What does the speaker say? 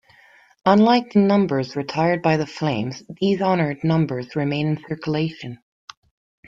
Unlike the numbers retired by the Flames these honoured numbers remain in circulation.